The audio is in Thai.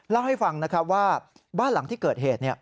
เล่าให้ฟังนะครับว่าบ้านหลังที่เกิดเหตุ